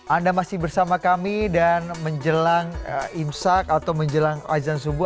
anda masih bersama kami dan menjelang imsak atau menjelang azan subuh